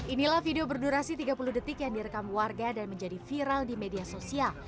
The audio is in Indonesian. inilah video berdurasi tiga puluh detik yang direkam warga dan menjadi viral di media sosial